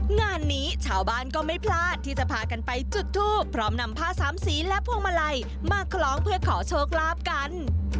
งานนี้ชาวบ้านก็ไม่พลาดที่จะพากันไปจุดทูปพร้อมนำผ้าสามสีและพวงมาลัยมาคล้องเพื่อขอโชคลาภกัน